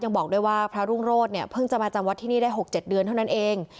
บอกด้วยว่าพระรุ่งโรธเนี่ยเพิ่งจะมาจำวัดที่นี่ได้๖๗เดือนเท่านั้นเอง